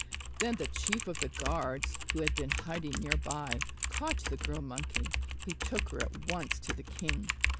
Then the chief of the guards, who had been hiding nearby, caught the Girl Monkey. He took her at once to the king.